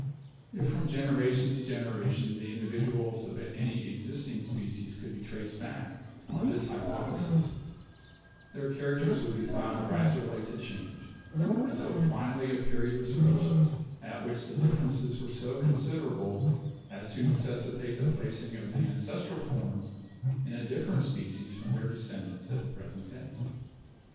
If from generation to generation the individuals of any existing species could be traced back, on this hypoth esis, their characters would be found gradually to change, until finally a period was reached at which the differences were so considerable as to necessitate the placing of the ORIGIN OF SPECIES 127 ancestral forms in a different species from their descen dants at the present day.